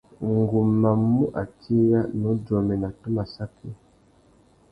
Ngu má mù atiya, nnú djômena, tu má saki.